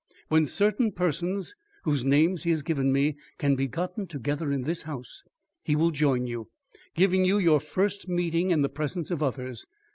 When certain persons whose names he has given me can be gotten together in this house, he will join you, giving you your first meeting in the presence of others.